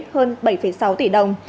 hơn bảy sáu tỷ đồng